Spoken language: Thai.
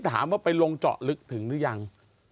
ถามว่าไปลงเจาะลึกถึงหรือยัง